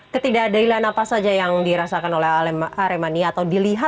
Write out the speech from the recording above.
ketidakadilan apa saja yang dirasakan oleh aremania